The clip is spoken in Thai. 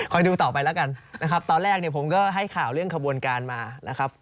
ค่อยดูต่อไปแล้วกันตอนแรกผมก็ให้ข่าวเรื่องขบวนการมา